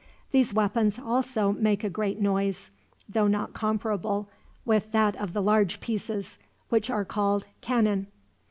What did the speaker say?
These weapons also make a great noise, though not comparable with that of the large pieces, which are called cannon."